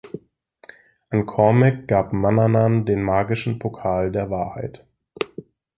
An Cormac gab Manannan den magischen Pokal der Wahrheit.